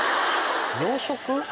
洋食？